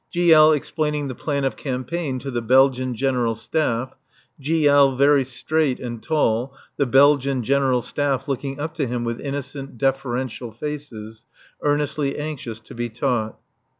G. L. explaining the plan of campaign to the Belgian General Staff; G. L. very straight and tall, the Belgian General Staff looking up to him with innocent, deferential faces, earnestly anxious to be taught.